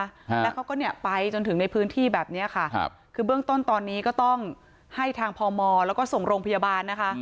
แล้วเขาก็เนี่ยไปจนถึงในพื้นที่แบบเนี้ยค่ะครับคือเบื้องต้นตอนนี้ก็ต้องให้ทางพมแล้วก็ส่งโรงพยาบาลนะคะ